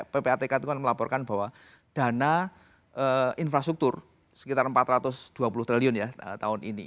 ppatk itu kan melaporkan bahwa dana infrastruktur sekitar empat ratus dua puluh triliun ya tahun ini